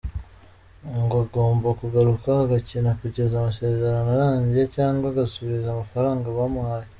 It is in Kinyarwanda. Ngo agomba kugaruka agakina kugeza amasezerano arangiye cyangwa agasubiza amafaranga bamuhaye.